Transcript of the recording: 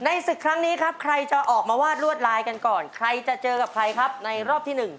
ศึกครั้งนี้ครับใครจะออกมาวาดลวดลายกันก่อนใครจะเจอกับใครครับในรอบที่๑